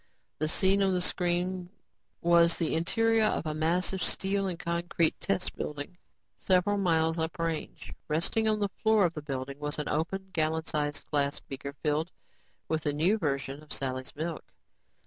The scene on the screens was the interior of a massive steel and concrete test building several miles up range. Resting on the floor of the building was an open, gallon sized glass beaker filled with the new version of Sally's milk.